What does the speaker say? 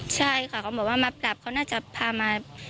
ใช่ค่ะเขาบอกว่ามาปรับเขาน่าจะพามา